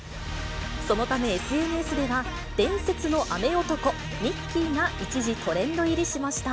そのためＳＮＳでは、伝説の雨男、ミッキーが一時トレンド入りしました。